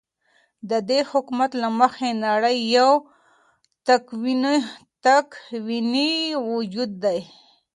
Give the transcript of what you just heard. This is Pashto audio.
ددي حكومت له مخې نړۍ يو تكويني وجود دى ،